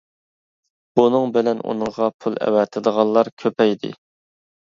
بۇنىڭ بىلەن ئۇنىڭغا پۇل ئەۋەتىدىغانلار كۆپەيدى.